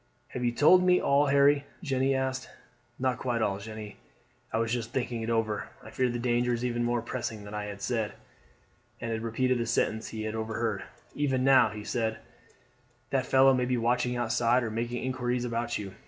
"Have you told me all, Harry?" Jeanne asked. "Not quite all, Jeanne. I was just thinking it over. I fear the danger is even more pressing than I have said;" and he repeated the sentence he had overheard. "Even now," he said, "that fellow may be watching outside or making inquiries about you.